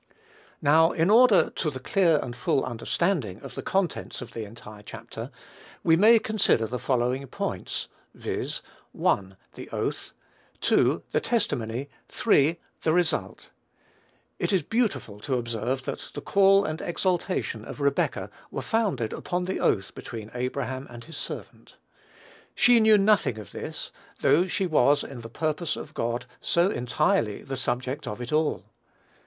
Now, in order to the clear and full understanding of the contents of the entire chapter, we may consider the following points, viz., 1, the oath; 2, the testimony; 3, the result. It is beautiful to observe that the call and exaltation of Rebekah were founded upon the oath between Abraham and his servant. She knew nothing of this, though she was, in the purpose of God, so entirely the subject of it all.